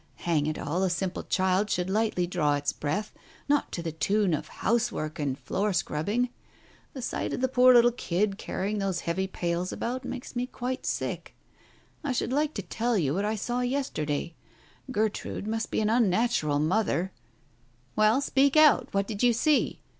Hang it all, a simple child should lightly draw its breath, not to the tune of housework and floorscrubbing. The sight of that poor kid carry ing those heavy pails about makes me quite sick. I should like to tell you what I saw yesterday. Gertrude must be an unnatural mother " "Well, speak out, what did you see?